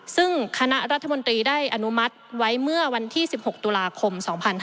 ซึ่งคณะรัฐมนตรีได้อนุมัติไว้เมื่อวันที่๑๖ตุลาคม๒๕๕๙